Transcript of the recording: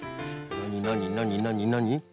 なになになになに？